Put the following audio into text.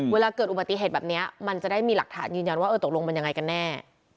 เวลาเกิดอุบัติเหตุแบบนี้มันจะได้มีหลักฐานยืนยันว่าเออตกลงมันยังไงกันแน่